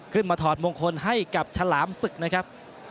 ถอดมงคลให้กับฉลามศึกนะครับ